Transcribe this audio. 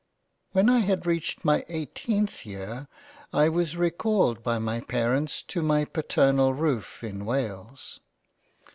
When I had reached my eighteenth Year I was recalled by my Parents to my paternal roof in Wales.